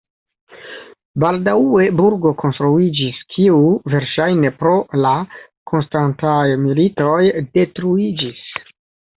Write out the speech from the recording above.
Baldaŭe burgo konstruiĝis, kiu verŝajne pro la konstantaj militoj detruiĝis.